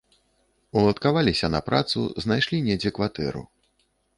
Уладкаваліся на працу, знайшлі недзе кватэру.